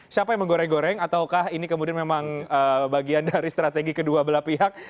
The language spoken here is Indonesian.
siapa yang menggoreng goreng ataukah ini kemudian memang bagian dari strategi kedua belah pihak